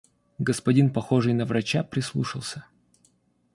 Господин, похожий на врача, прислушался.